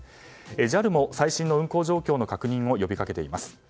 ＪＡＬも最新の運航情報の確認を呼び掛けています。